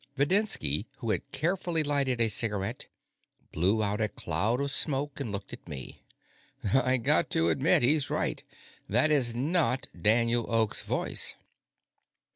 Videnski, who had carefully lighted a cigarette, blew out a cloud of smoke and looked at me. "I got to admit he's right. That is not Daniel Oak's voice."